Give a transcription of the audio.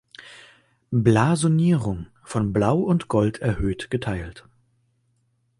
Blasonierung: „Von Blau und Gold erhöht geteilt.